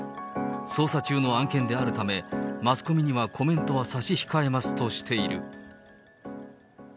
捜査中の案件であるため、マスコミにはコメントは差し控えますとしている。